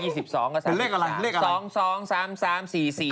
เป็นเลขอะไรเลขอะไร